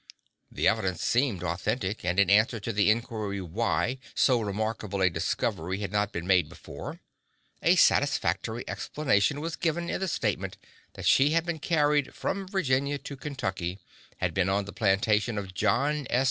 The evidence seemed authentic and in answer to the inquiry why so remarkable a discovery had not been made before, a satisfactory explanation was given in the statement that she had been carried from Virginia to Kentucky, had been on the plantation of John S.